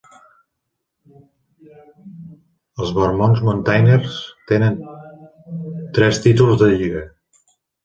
Els Vermont Mountaineers tenen tres títols de lliga.